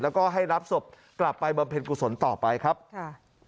แล้วก็ให้รับศพกลับไปบำเพ็ญกุศลต่อไปครับค่ะ